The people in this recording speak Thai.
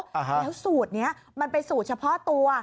แล้วสูตรนี้มันเป็นสูตรเฉพาะตัว